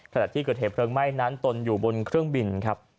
ขณะที่เกิดเหตุเพลิงไหม้นั้นตนอยู่บนเครื่องบินครับ